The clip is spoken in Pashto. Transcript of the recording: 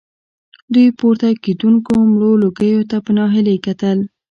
دوی پورته کېدونکو مړو لوګيو ته په ناهيلۍ کتل.